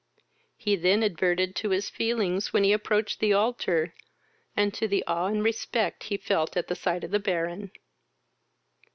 He then adverted to his feelings when he approached the altar, and to the awe and respect he felt at sight of the Baron.